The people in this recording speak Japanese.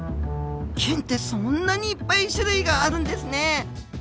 菌ってそんなにいっぱい種類があるんですね。